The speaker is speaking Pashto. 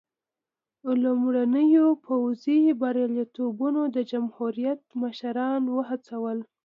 لومړنیو پوځي بریالیتوبونو د جمهوریت مشران وهڅول.